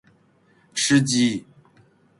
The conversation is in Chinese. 吃鸡